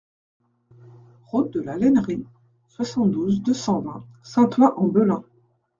Route de la Lainerie, soixante-douze, deux cent vingt Saint-Ouen-en-Belin